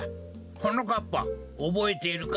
はなかっぱおぼえているか？